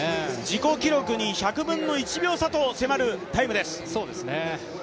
自己記録に１００分の１秒差と迫るタイムです。